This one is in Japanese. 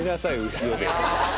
後ろで。